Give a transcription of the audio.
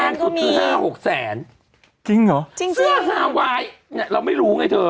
เนี่ยเราไม่รู้ไงเธอ